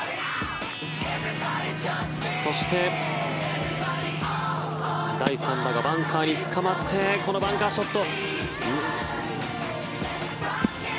そして、第３打がバンカーにつかまってこのバンカーショット。